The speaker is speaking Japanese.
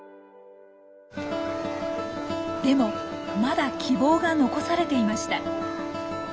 でもまだ希望が残されていました。